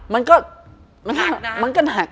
มันก็มันก็หัก